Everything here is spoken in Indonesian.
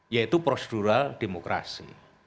yaitu prosedural demokrasi